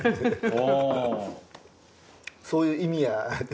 そういう意味やって。